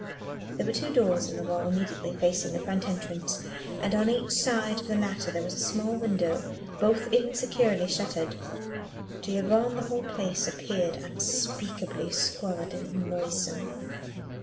There were two doors in the wall immediately facing the front entrance, and on each side of the latter there was a small window, both insecurely shuttered. To Yvonne the whole place appeared unspeakably squalid and noisome.